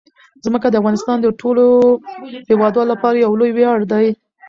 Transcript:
ځمکه د افغانستان د ټولو هیوادوالو لپاره یو لوی ویاړ دی.